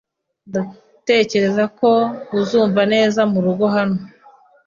Ndatekereza ko uzumva neza murugo hano.